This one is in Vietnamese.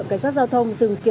mấy triệu nhỉ